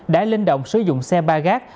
đã linh động sử dụng xe ba gác